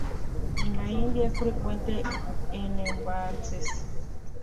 En la India es frecuente en embalses.